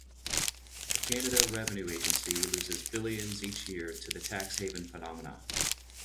The Canada Revenue Agency loses billions each year to the Tax Haven phenomena.